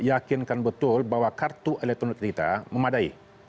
yakinkan betul bahwa kartu elektronik kita memadai